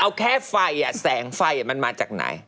เอาแค่ไฟแสงไฟมันมาจากไหน